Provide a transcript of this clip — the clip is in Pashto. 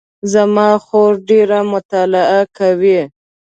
زما خور ډېره مطالعه کوي